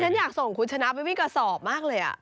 ฉันอยากส่งคุณชนะไปวิ่งกระสอบมากเลย